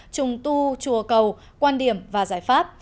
trung tu chùa cầu quan điểm và giải pháp